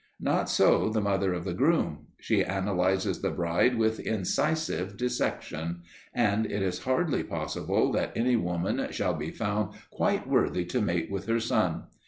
Not so the mother of the groom. She analyses the bride with incisive dissection, and it is hardly possible that any woman shall be found quite worthy to mate with her son.